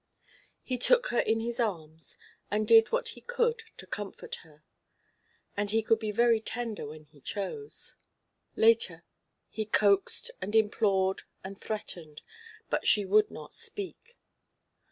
He took her in his arms, and did what he could to comfort her, and he could be very tender when he chose. Later, he coaxed and implored and threatened, but she would not speak.